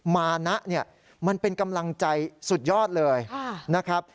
มานะเนี่ยมันเป็นกำลังใจสุดยอดเลยนะครับ